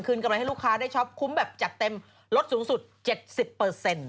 คืนกำไรให้ลูกค้าได้ช็อปคุ้มแบบจัดเต็มลดสูงสุด๗๐เปอร์เซ็นต์